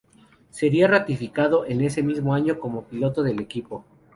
Sería ratificado en ese mismo año como piloto del equipo.